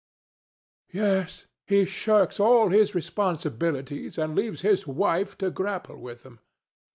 Yes: he shirks all his responsibilities, and leaves his wife to grapple with them.